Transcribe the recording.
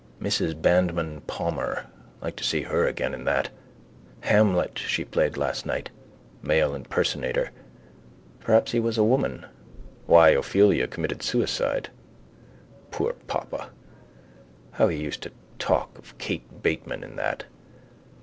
Mrs Bandmann Palmer. Like to see her again in that. Hamlet she played last night. Male impersonator. Perhaps he was a woman. Why Ophelia committed suicide. Poor papa! How he used to talk of Kate Bateman in that.